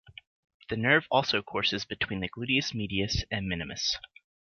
The nerve also courses between the gluteus medius and minimus.